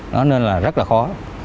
đó nên là rất là khó